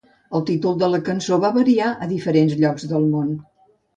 El títol de la cançó va variar a diferents llocs del món.